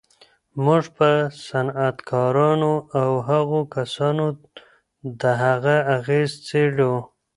موږ پر صنعتکارانو او هغو کسانو د هغه اغېز څېړو